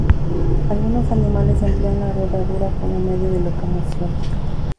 Algunos animales emplean la rodadura como medio de locomoción.